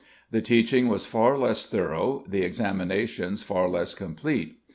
The teaching was far less thorough, the examinations far less complete.